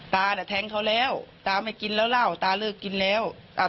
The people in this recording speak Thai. ตาน่ะแทงเขาแล้วตาไม่กินแล้วเล่าตาเลิกกินแล้วอ่า